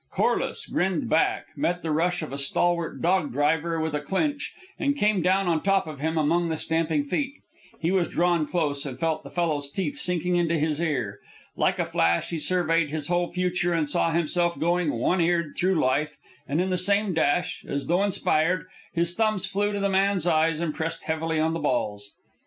Corliss grinned back, met the rush of a stalwart dog driver with a clinch, and came down on top of him among the stamping feet. He was drawn close, and felt the fellow's teeth sinking into his ear. Like a flash, he surveyed his whole future and saw himself going one eared through life, and in the same dash, as though inspired, his thumbs flew to the man's eyes and pressed heavily on the balls.